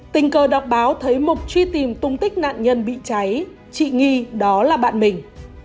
tình cờ đọc báo thấy mục truy tìm tung tích nạn nhân bị cháy chị nghi đó là bạn mình